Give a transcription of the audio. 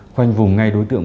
khoanh vùng ngay đối tượng